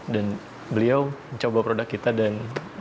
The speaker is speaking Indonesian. dan beliau mencoba produk kita dan